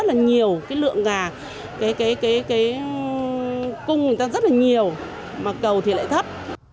rất là nhiều cái lượng gà cái cung người ta rất là nhiều mà cầu thì lại thấp